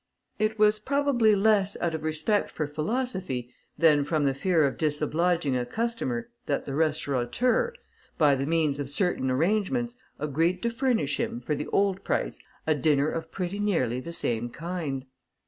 It was probably less out of respect for philosophy, than from the fear of disobliging a customer, that the restaurateur, by the means of certain arrangements, agreed to furnish him, for the old price, a dinner of pretty nearly the same kind.